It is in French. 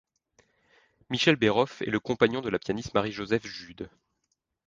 Michel Béroff est le compagnon de la pianiste Marie-Josèphe Jude.